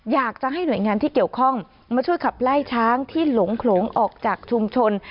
อยากจะให้หน่วยงานที่เกี่ยวข้องมาช่วยขับไล่ช้างที่หลงโขลงออกจากชุมชน